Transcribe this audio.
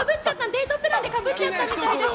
デートプランでかぶっちゃったみたいです。